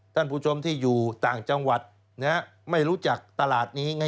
ท่านผู้ชมที่อยู่ต่างจังหวัดไม่รู้จักตลาดนี้ไง